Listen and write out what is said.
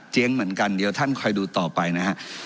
เจ๊งเหมือนกันเดี๋ยวท่านคอยดูต่อไปนะฮะ